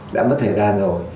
đã mất thời gian rồi